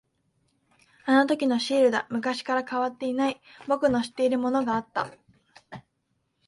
あのときのシールだ。昔から変わっていない、僕の知っているものがあった。